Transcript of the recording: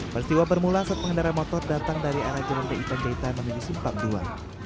peristiwa bermula saat pengendara motor datang dari arah jalan di panjaitan menuju simpang ii